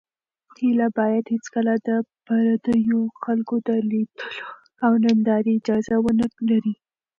هیله باید هېڅکله د پردیو خلکو د لیدلو او نندارې اجازه ونه لري.